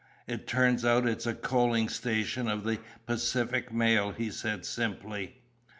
It turns out it's a coaling station of the Pacific Mail," he said, simply.